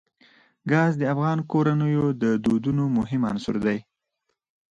ګاز د افغان کورنیو د دودونو مهم عنصر دی.